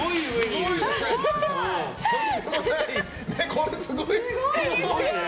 これすごい。